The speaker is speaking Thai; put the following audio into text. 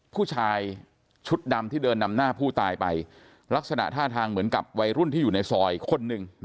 ผู้ชายชุดดำที่เดินนำหน้าผู้ตายไปลักษณะท่าทางเหมือนกับวัยรุ่นที่อยู่ในซอยคนหนึ่ง